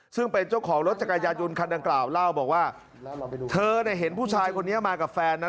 ซึ่งเป็นเจ้าของรถจักรยายนคันดังกล่าวเล่าบอกว่าเธอเนี่ยเห็นผู้ชายคนนี้มากับแฟนนะ